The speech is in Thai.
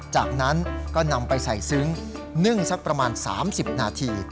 จากนั้นก็นำไปใส่ซึ้งนึ่งสักประมาณ๓๐นาที